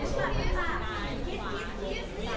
สวัสดีค่ะ